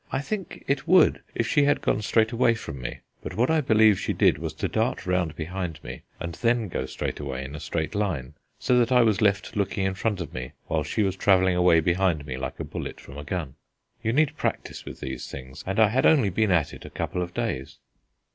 I think it would, if she had gone straight away from me; but what I believe she did was to dart round behind me and then go away in a straight line, so that I was left looking in front of me while she was travelling away behind me like a bullet from a gun. You need practice with these things, and I had only been at it a couple of days.